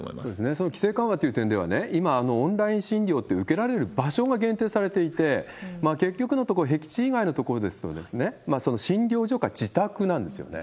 その規制緩和という点では、今、オンライン診療って受けられる場所が限定されていて、結局のところ、僻地以外の所ですと、診療所か自宅なんですよね。